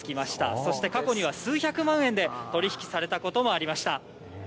そして過去には数百万円で取り引きされたこともありました。